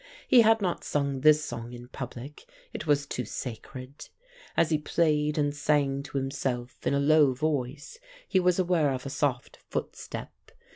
He had not sung this song in public, it was too sacred. As he played and sang to himself in a low voice he was aware of a soft footstep.